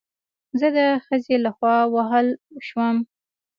زه د خځې له خوا ووهل شوم